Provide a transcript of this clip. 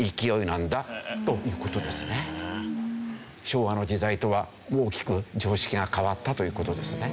昭和の時代とは大きく常識が変わったという事ですね。